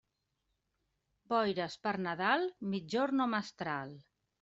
Boires per Nadal, migjorn o mestral.